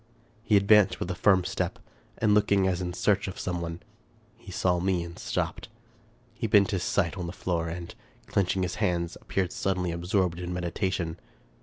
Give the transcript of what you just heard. He advanced with a firm step, and looking as in search of some one. He saw me and stopped. He bent his sight on the floor, and, clenching his hands, appeared suddenly absorbed in meditation.